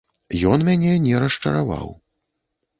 Ён мяне не расчараваў.